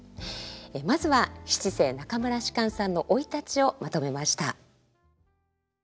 まずは七世中村芝さんの生い立ちをまとめました。